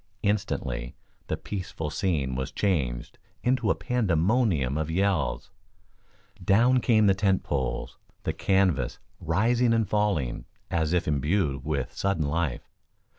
Instantly the peaceful scene was changed into a pandemonium of yells. Down came the tent poles, the canvas rising and falling as if imbued with sudden life.